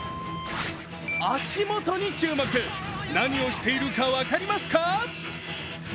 足元に注目、何をしているか分かりますか？